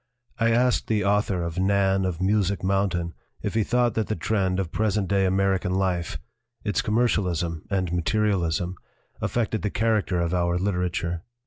I asked the author of Nan of Music Mountain if he thought that the trend of present day American life its commercialism and material ism affected the character of our literature.